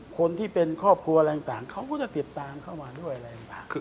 คนที่เป็นครอบครัวอะไรต่างเขาก็จะติดตามเข้ามาด้วยอะไรต่าง